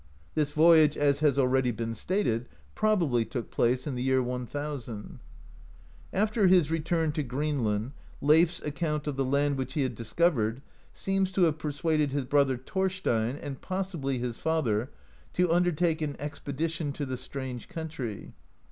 This voyage, as has already been stated, probably took place in the year 1000. After his return to Greenland, Leif s account of the land which he had discovered seems to have persuaded his brother, Thorstein, and possibly his father, to under take an expedition to the strange country.